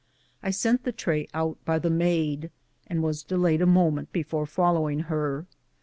I sent the tray out by the maid, and was delayed a moment before following her.